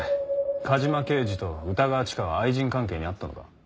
梶間刑事と歌川チカは愛人関係にあったのか？